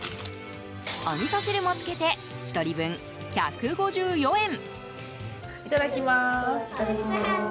おみそ汁もつけて１人分１５４円。